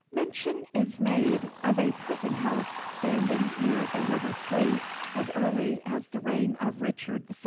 Mention is made of a prison house standing near the River Fleet as early as the reign of Richard I.